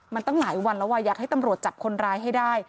มันตั้งหลายวันแล้วอยากให้ตำรวจจับคนร้ายให้ได้